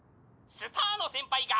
スターの先輩が！